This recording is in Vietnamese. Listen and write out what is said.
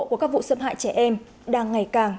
của các vụ xâm hại trẻ em đang ngày càng